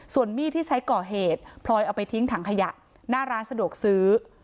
ส่วนมีดที่ใช้ก่อเหตุพลอยเอาไปทิ้งถังขยะหน้าร้านสะดวกซื้อ